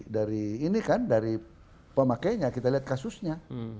dari ini kan dari pemakainya kita lihat kasusnya